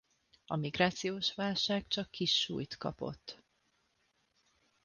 A migrációs válság csak kis súlyt kapott.